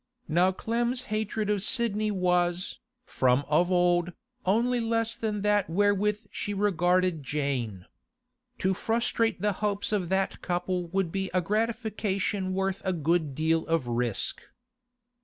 Now Clem's hatred of Sidney was, from of old, only less than that wherewith she regarded Jane. To frustrate the hopes of that couple would be a gratification worth a good deal of risk.